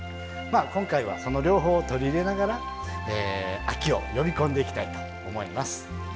今回はその両方を取り入れながら秋を呼び込んでいきたいと思います。